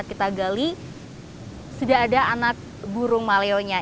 kita gali sudah ada anak burung maleonya